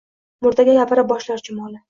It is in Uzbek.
Murdaga gapira boshlar chumoli: